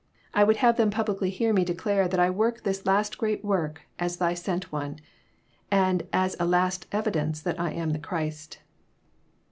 I would have them pub licly hear Me declare that I work this last great work as Thy Sent One, and as a last evidence that I am the Christ."